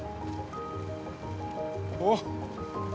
おっ！